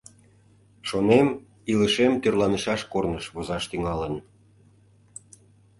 Шонем, илышем тӧрланышаш корныш возаш тӱҥалын.